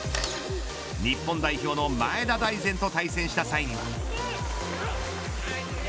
日本代表の前田大然と対戦した際に。